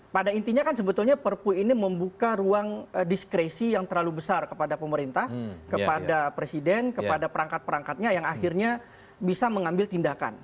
pada intinya kan sebetulnya perpu ini membuka ruang diskresi yang terlalu besar kepada pemerintah kepada presiden kepada perangkat perangkatnya yang akhirnya bisa mengambil tindakan